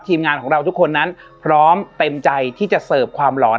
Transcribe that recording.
ทีมงานของเราทุกคนนั้นพร้อมเต็มใจที่จะเสิร์ฟความหลอน